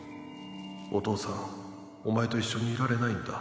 お父さんお前と一緒にいられないんだ